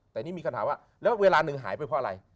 แต่นี่มีคำถามว่าแล้วเวลาหนึ่งหายไปเพราะอะไร